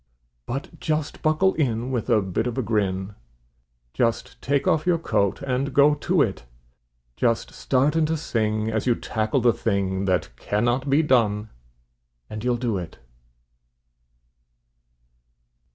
But just buckle in with a bit of a grin, Just take off your coat and go to it; Just start in to sing as you tackle the thing That "cannot be done," and you'll do it.